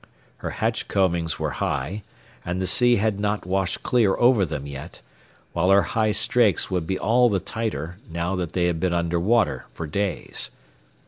Her hatch combings were high, and the sea had not washed clear over them yet, while her high strakes would be all the tighter, now that they had been under water for days.